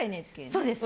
そうです。